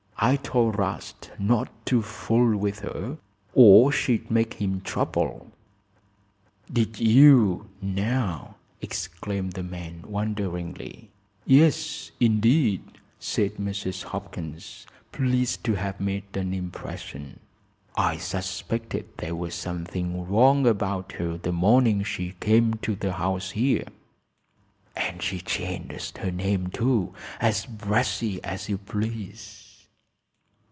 I told 'Rast not to fool with her, or she'd make him trouble." "Did you, now!" exclaimed the man, wonderingly. "Yes, indeed," said Mrs. Hopkins, pleased to have made an impression. "I suspected there was something wrong about her the morning she came to the house here. And she changed her name, too, as brassy as you please."